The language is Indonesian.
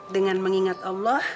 dengan mengingat allah